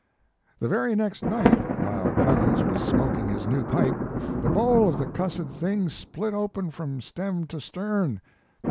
4 The very next night, while Clemens was smoking his new pipe, the bowl of the cussed thing split open from stem to stern.